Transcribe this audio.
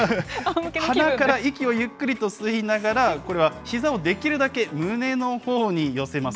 鼻からゆっくりと息を吸いながら、これはひざをできるだけ胸のほうに寄せます。